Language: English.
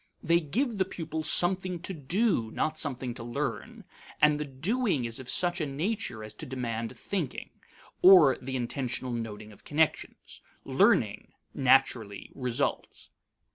They give the pupils something to do, not something to learn; and the doing is of such a nature as to demand thinking, or the intentional noting of connections; learning naturally results.